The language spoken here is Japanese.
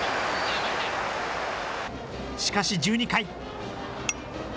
しかし、１２回。